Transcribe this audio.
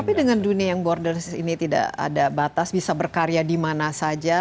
tapi dengan dunia yang borderless ini tidak ada batas bisa berkarya dimana saja